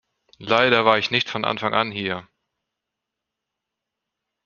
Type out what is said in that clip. Leider war ich nicht von Anfang an hier.